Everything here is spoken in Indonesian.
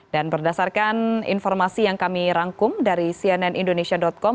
dan berdasarkan informasi yang kami rangkum dari cnnindonesia com